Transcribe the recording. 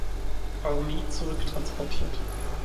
Armee zurücktransportiert.